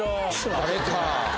あれか。